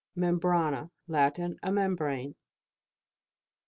MEMBRANA. Latin. A membrane.